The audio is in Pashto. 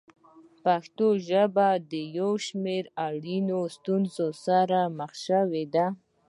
پښتو ژبه د یو شمېر اړینو ستونزو سره مخ شوې ده.